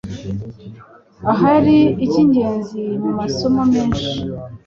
ahari icyingenzi mu masomo menshi